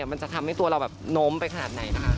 มันจะทำให้ตัวเราน้มไปขนาดไหน